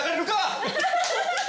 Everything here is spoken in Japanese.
ハハハハハ！